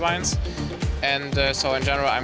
jadi secara umum saya sudah menjadi orang yang berwarna hijau